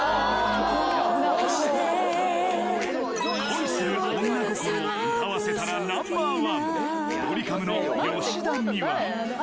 恋する女心を歌わせたらナンバーワンドリカムの吉田美和